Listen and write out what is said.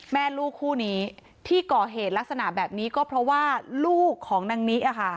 แม่ลูกคู่นี้ที่ก่อเหตุลักษณะแบบนี้ก็เพราะว่าลูกของนางนิ